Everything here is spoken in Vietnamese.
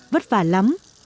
vất vả lắm